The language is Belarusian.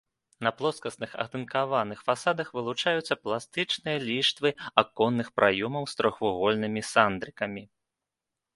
На плоскасных атынкаваных фасадах вылучаюцца пластычныя ліштвы аконных праёмаў з трохвугольнымі сандрыкамі.